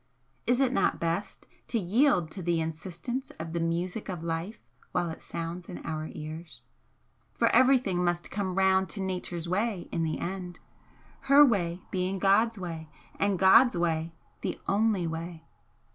Is it not best to yield to the insistence of the music of life while it sounds in our ears? For everything must come round to Nature's way in the end her way being God's way, and God's way the only way!